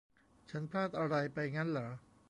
ฉันพลาดอะไรไปงั้นเหรอ ?